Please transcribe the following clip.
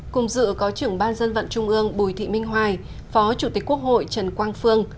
cùng dự có trưởng ban dân vận trung ương bùi thị minh hoài phó chủ tịch quốc hội trần quang phương